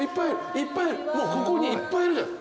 もうここにいっぱいいるじゃん。